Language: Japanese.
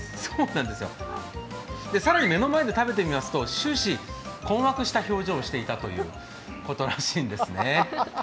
更に目の前で食べてみますと終始、困惑した表情をしていたということなんですね。